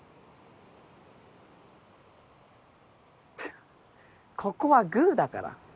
フッここはグーだから。